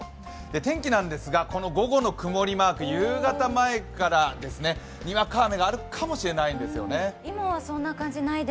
天気なんですが、午後の曇りマーク夕方前からにわか雨があるかもしれないんですよね。